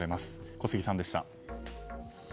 小杉さんでした。